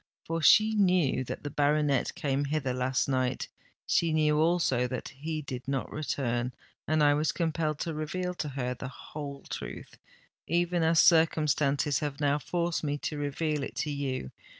For she knew that the baronet came hither last night—she knew also that he did not return—and I was compelled to reveal to her the whole truth, even as circumstances have now forced me to reveal it to you.